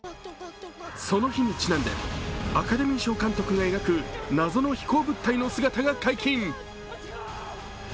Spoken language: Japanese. その日にちなんでアカデミー賞監督が描く謎の飛行物体の姿が解禁。